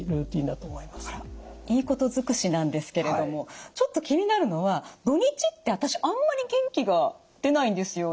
いいこと尽くしなんですけれどもちょっと気になるのは土日って私あんまり元気が出ないんですよね。